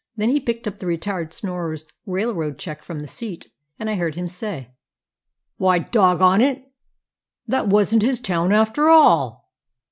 Then he picked up the retired snorer's railroad check from the seat, and I heard him say: "Why, dog on it, that wasn't his town after all."